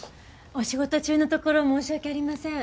お仕事中のところ申し訳ありません。